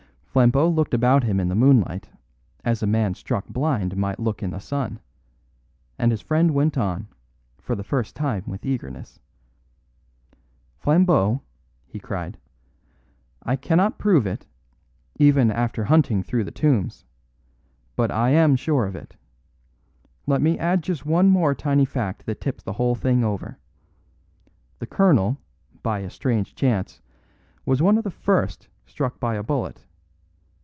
Flambeau looked about him in the moonlight, as a man struck blind might look in the sun; and his friend went on, for the first time with eagerness: "Flambeau," he cried, "I cannot prove it, even after hunting through the tombs. But I am sure of it. Let me add just one more tiny fact that tips the whole thing over. The colonel, by a strange chance, was one of the first struck by a bullet.